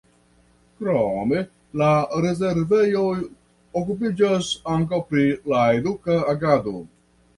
Krome la rezervejo okupiĝas ankaŭ pri la eduka agado.